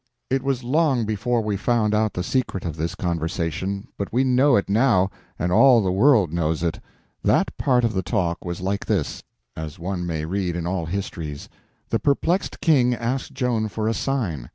It was long before we found out the secret of this conversation, but we know it now, and all the world knows it. That part of the talk was like this—as one may read in all histories. The perplexed King asked Joan for a sign.